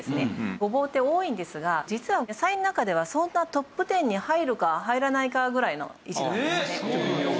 ごぼうって多いんですが実は野菜の中ではそんなトップ１０に入るか入らないかぐらいの位置なんですね。